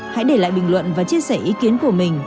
hãy để lại bình luận và chia sẻ ý kiến của mình